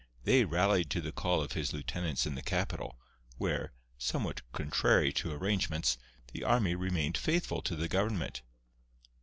They rallied to the call of his lieutenants in the capital, where (somewhat contrary to arrangements) the army remained faithful to the government.